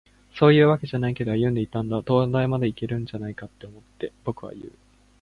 「そういうわけじゃないけど、歩いていたんだ。灯台までいけるんじゃないかって思って。」、僕は言う。